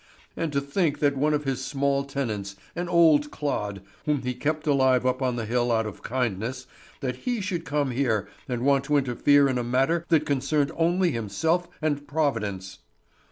And to think that one of his small tenants, an old clod, whom he kept alive up on the hill out of kindness, that he should come here and want to interfere in a matter that concerned only himself and Providence!